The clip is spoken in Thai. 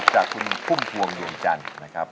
จากคุณพุ่มฟวงหยุมจันทร์